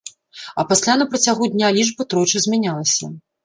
А пасля на працягу дня лічба тройчы змянялася.